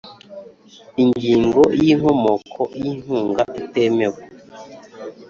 Ingingo y Inkomoko y inkunga itemewe